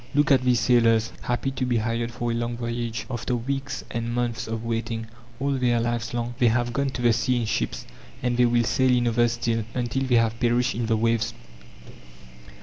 Look at these sailors, happy to be hired for a long voyage, after weeks and months of waiting. All their lives long they have gone to the sea in ships, and they will sail in others still, until they have perished in the waves.